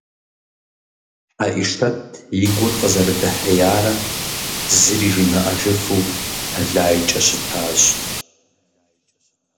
Хьэӏишэт и гур къызэрыдэхьеярэ зыри жимыӀэжыфу тэлайкӀэ щытащ.